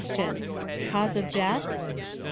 Cause of death? A.